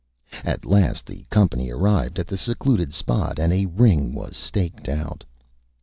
At last the Company arrived at the Secluded Spot, and a Ring was staked out.